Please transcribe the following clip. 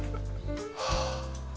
はあ。